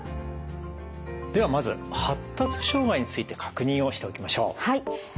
ではまず発達障害について確認をしておきましょう。